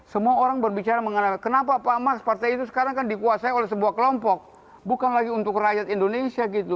semua orang berbicara mengenai kenapa pak mas partai itu sekarang kan dikuasai oleh sebuah kelompok bukan lagi untuk rakyat indonesia gitu